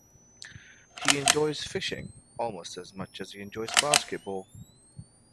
He enjoys fishing almost as much as he enjoys basketball.